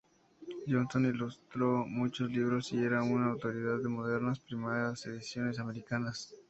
Johnson ilustró muchos libros y era una autoridad en modernas primeras ediciones americanas.